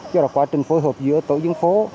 cho là quá trình phối hợp giữa tổ dân phố